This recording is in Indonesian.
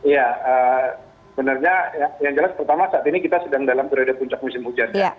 ya benarnya yang jelas pertama saat ini kita sedang dalam periode puncak musim hujan ya